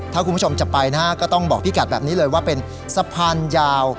ถ้าคุณผู้ชมจะไปนะฮะก็ต้องบอกพี่กัดแบบนี้เลยว่าเป็นสะพานยาว